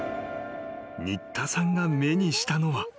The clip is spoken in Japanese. ［新田さんが目にしたのは］